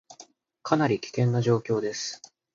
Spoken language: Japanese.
かなり危険な状況です